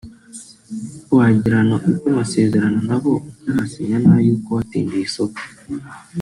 wagirana ute amasezerano nabo utarasinya n'ay'uko watsindiye isoko